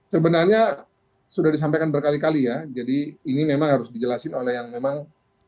sebenarnya sudah disampaikan berkali kali ya jadi ini memang harus dijelasin oleh yang memang